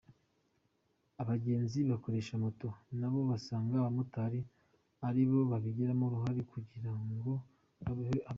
Abagenzi bakoresha moto nabo basanga abamotari ari bo babigiramo uruhare kugira ngo habeho impanuka.